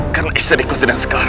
karena istriku sedang segar